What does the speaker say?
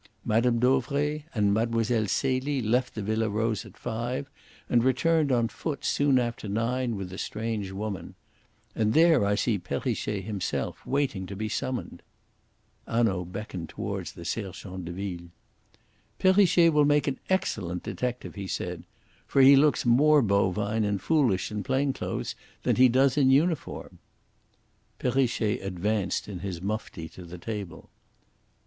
Mme. Dauvray and Mlle. Celie left the Villa Rose at five, and returned on foot soon after nine with the strange woman. And there I see Perrichet himself waiting to be summoned." Hanaud beckoned towards the sergent de ville. "Perrichet will make an excellent detective," he said; "for he looks more bovine and foolish in plain clothes than he does in uniform." Perrichet advanced in his mufti to the table.